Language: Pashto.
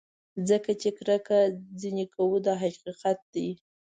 ځکه چې کرکه ځینې کوو دا حقیقت دی.